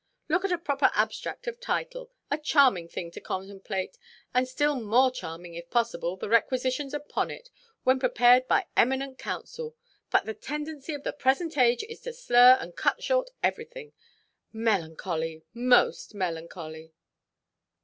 Look at a proper abstract of title! A charming thing to contemplate; and still more charming, if possible, the requisitions upon it, when prepared by eminent counsel. But the tendency of the present age is to slur and cut short everything. Melancholy, most melancholy!"